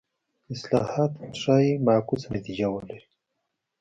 اصلاحات ښايي معکوسه نتیجه ولري.